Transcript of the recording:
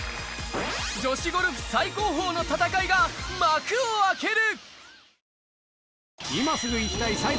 女子ゴルフ最高峰の戦いが幕を開ける！